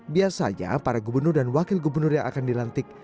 biasanya para gubernur dan wakil gubernur yang akan dilantik